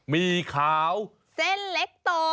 มีขาวเส้นเล็กโต